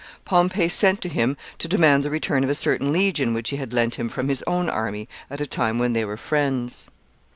Pompey sent to him to demand the return of a certain legion which he had lent him from his own army at a time when they were friends.